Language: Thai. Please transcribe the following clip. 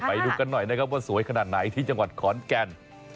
ไปดูกันหน่อยนะครับว่าสวยขนาดไหนที่จังหวัดขอนแก่น